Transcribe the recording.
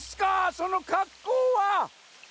そのかっこうは！